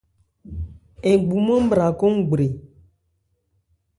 Ngbumán bhra nkɔn gbre.